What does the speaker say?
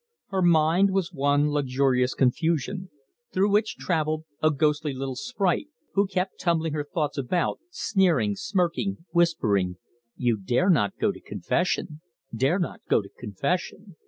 Her mind was one luxurious confusion, through which travelled a ghostly little sprite, who kept tumbling her thoughts about, sneering, smirking, whispering "You dare not go to confession dare not go to confession.